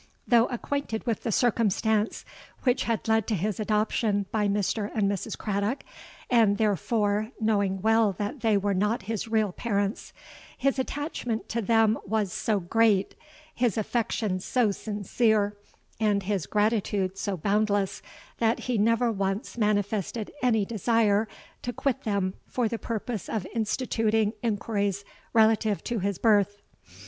Though acquainted with the circumstance which had led to his adoption by Mr. and Mrs. Craddock, and, therefore, knowing well that they were not his real parents, his attachment to them was so great—his affection so sincere—and his gratitude so boundless, that he never once manifested any desire to quit them for the purpose of instituting enquiries relative to his birth.